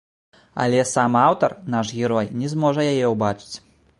Але сам аўтар, наш герой, не зможа яе ўбачыць.